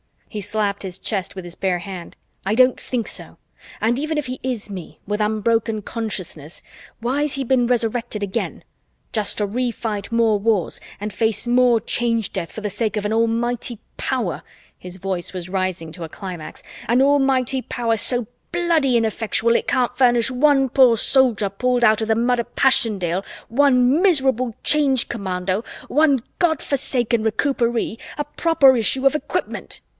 He slapped his chest with his bare hand. "I don't think so. And even if he is me, with unbroken consciousness, why's he been Resurrected again? Just to refight more wars and face more Change Death for the sake of an almighty power " his voice was rising to a climax "an almighty power so bloody ineffectual, it can't furnish one poor Soldier pulled out of the mud of Passchendaele, one miserable Change Commando, one Godforsaken Recuperee a proper issue of equipment!"